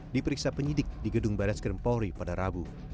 diperiksa penyidik di gedung badas krim pohri pada rabu